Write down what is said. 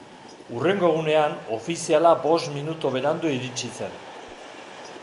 Hurrengo egunean ofiziala bost minutu berandu iritsi zen.